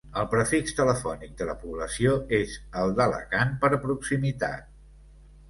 El prefix telefònic de la població és el d'Alacant, per proximitat.